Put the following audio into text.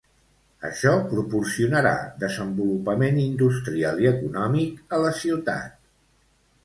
Això proporcionarà desenvolupament industrial i econòmic a la ciutat.